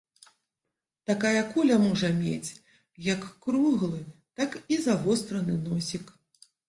Такая куля можа мець як круглы, так і завостраны носік.